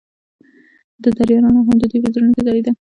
د دریا رڼا هم د دوی په زړونو کې ځلېده.